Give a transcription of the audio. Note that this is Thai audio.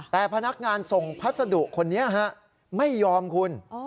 แต่พนักงานส่งพัสดุคนนี้ฮะไม่ยอมคุณ